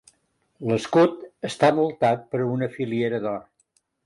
L'escut està voltat per una filiera d'or.